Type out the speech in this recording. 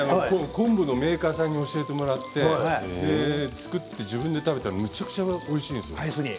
昆布のメーカーさんに教えてもらって作って食べたらめちゃくちゃおいしいんですよ。